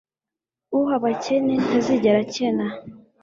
Uha abakene ntazigera akena